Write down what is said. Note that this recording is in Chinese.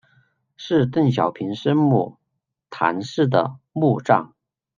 是邓小平生母谈氏的墓葬。